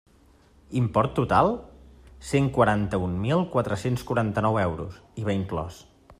Import total: cent quaranta-un mil quatre-cents quaranta-nou euros, IVA inclòs.